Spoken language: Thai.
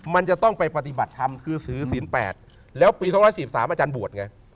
มันจะต้องไปปฏิบัติธรรมคือศือศีลแปดแล้วปีสองร้ายสี่สามอาจารย์บวชไง